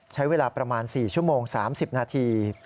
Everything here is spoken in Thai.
ใช้เวลาประมาณ๔ชั่วโมง๓๐นาที